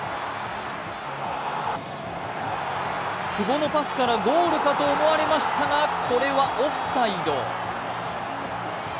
久保のパスからゴールかと思われましたが、これはオフサイド。